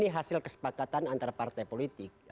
ini hasil kesepakatan antara partai politik